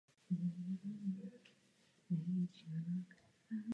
Osada je přístupná hned několika turistickými značkami.